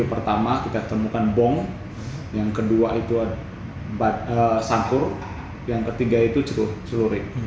pertama kita temukan bong kedua sangkur ketiga celurit